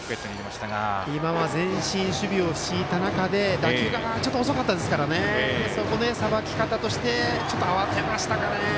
今は前進守備を敷いた中で打球がちょっと遅かったですからそこで、さばき方でちょっと慌てましたかね。